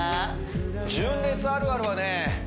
純烈あるあるはね